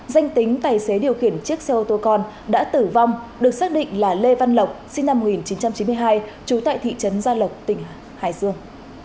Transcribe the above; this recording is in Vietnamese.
danh tính tài xế điều khiển chiếc xe ô tô con đã tử vong được xác định là lê văn lộc sinh năm một nghìn chín trăm chín mươi hai trú tại thị trấn gia lộc tỉnh hải dương